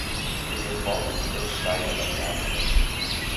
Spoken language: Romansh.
Ils affons ein stai ella miarda.